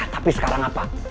tapi sekarang apa